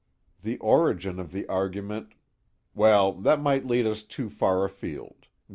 "The origin of the argument " "Well, that might lead us too far afield.